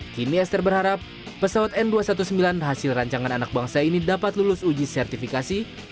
kini esther berharap pesawat n dua ratus sembilan belas hasil rancangan anak bangsa ini dapat lulus uji sertifikasi